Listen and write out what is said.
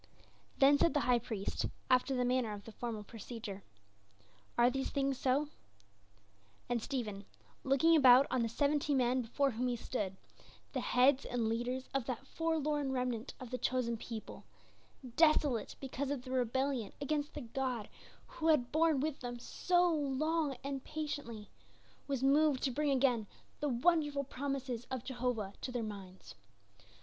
Then said the High Priest, after the manner of the formal procedure, "Are these things so?" And Stephen, looking about on the seventy men before whom he stood, the heads and leaders of that forlorn remnant of the chosen people, desolate because of their rebellion against the God who had borne with them so long and patiently, was moved to bring again the wonderful promises of Jehovah to their minds.